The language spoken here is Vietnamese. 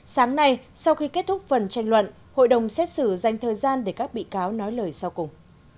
sáng nay sau khi kết thúc phần tranh luận hội đồng xét xử dành thời gian để các bị cáo nói lời sau cùng